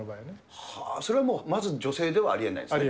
それはもう、まず女性ではあありえない。